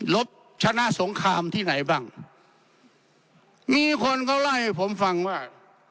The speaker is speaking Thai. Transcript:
ลบชนะสงครามที่ไหนบ้างมีคนเขาเล่าให้ผมฟังว่า